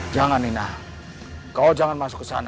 jangan nina kau jangan masuk ke sana